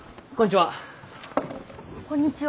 こんにちは。